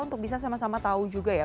untuk bisa sama sama tahu juga ya